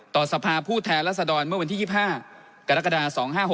สภาพผู้แทนรัศดรเมื่อวันที่๒๕กรกฎา๒๕๖๖